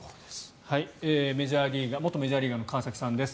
元メジャーリーガーの川崎さんです。